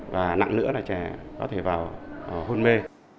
và nặng nữa là trẻ có thể vào hôn mê